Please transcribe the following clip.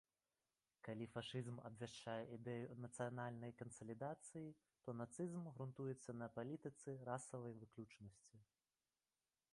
Калі фашызм абвяшчае ідэю нацыянальнай кансалідацыі, то нацызм грунтуецца на палітыцы расавай выключнасці.